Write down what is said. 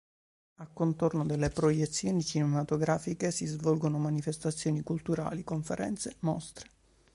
A contorno delle proiezioni cinematografiche, si svolgono manifestazioni culturali, conferenze, mostre.